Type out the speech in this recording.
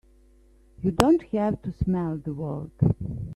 You don't have to smell the world!